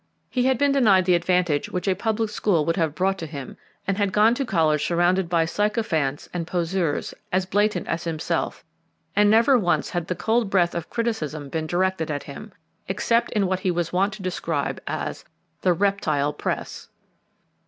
He had been denied the advantage which a public school would have brought to him and had gone to college surrounded by sycophants and poseurs as blatant as himself, and never once had the cold breath of criticism been directed at him, except in what he was wont to describe as the "reptile Press."